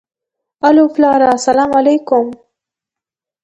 الو پلاره سلام عليک.